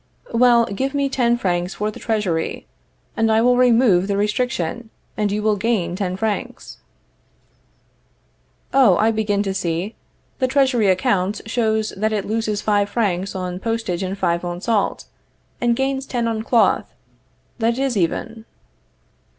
Well, give me ten francs for the Treasury, and I will remove the restriction, and you will gain ten francs. Oh, I begin to see. The treasury account shows that it loses five francs on postage and five on salt, and gains ten on cloth. That is even.